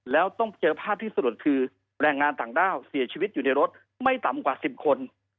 แล้วต้องเจอภาพที่สลดคือแรงงานต่างด้าวเสียชีวิตอยู่ในรถไม่ต่ำกว่า๑๐คน